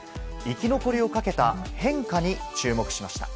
生き残りをかけた変化に注目しました。